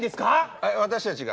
え私たちが？